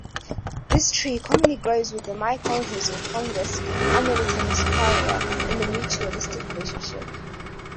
This tree commonly grows with the mycorrhizal fungus "Amanita muscaria" in a mutualistic relationship.